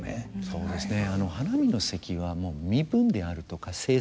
そうですね。